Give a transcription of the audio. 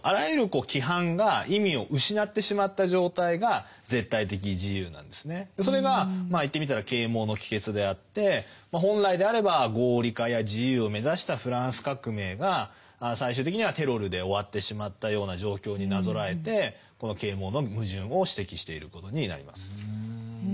ヘーゲルは否定的な意味で使っていてそこではそれがまあ言ってみたら啓蒙の帰結であって本来であれば合理化や自由を目指したフランス革命が最終的にはテロルで終わってしまったような状況になぞらえてこの啓蒙の矛盾を指摘していることになります。